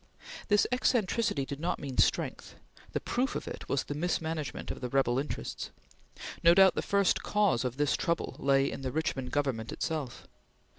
This eccentricity did not mean strength. The proof of it was the mismanagement of the rebel interests. No doubt the first cause of this trouble lay in the Richmond Government itself.